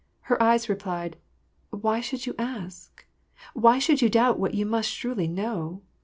Her eyes replied, " Why should you ask ? Why should you doubt what you must surely know